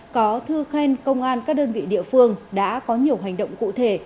có thư khen công an các đơn vị địa phương đã có nhiều hành động cụ thể